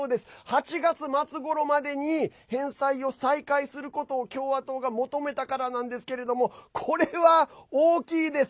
８月末ごろまでに返済を再開することを共和党が求めたからなんですがこれは大きいです。